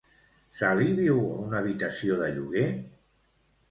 Sally viu a una habitació de lloguer?